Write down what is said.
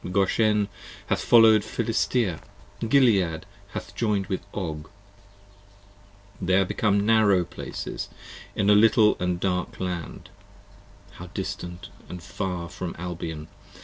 Goshen hath follow'd Philistea: Gilead hath join'd with Og: They are become narrow places in a little and dark land: 15 How distant far from Albion!